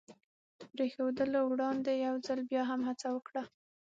د پرېښودلو وړاندې یو ځل بیا هم هڅه وکړه.